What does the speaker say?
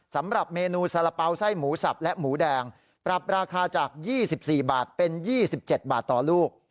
สำหรับเมนูสาระเป๋าไส้หมูสับและหมูแดงปรับราคาจาก๒๔บาทเป็น๒๗บาทต่อลูก